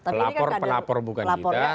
pelapor pelapor bukan kita